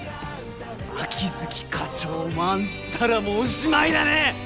秋月課長もあんたらもおしまいだね！